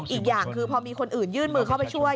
อีกอย่างคือพอมีคนอื่นยื่นมือเข้าไปช่วย